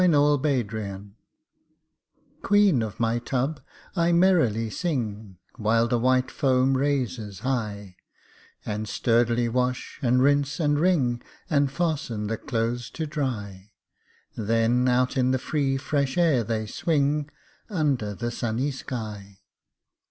8 Autoplay Queen of my tub, I merrily sing, While the white foam raises high, And sturdily wash, and rinse, and wring, And fasten the clothes to dry; Then out in the free fresh air they swing, Under the sunny sky.